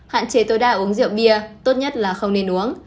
hạn chế tối đa uống rượu bia tốt nhất là không nên uống